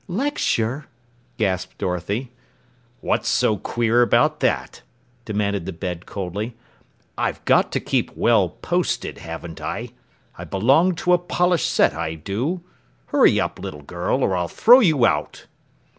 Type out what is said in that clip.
"Lecture?" gasped Dorothy. "What's so queer about that?" demanded the bed coldly. "I've got to keep well posted, haven't I? I belong to a polished set, I do. Hurry up, little girl, or I'll throw you out."